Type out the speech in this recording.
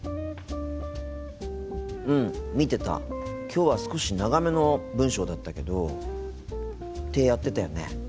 きょうは少し長めの文章だったけどってやってたよね。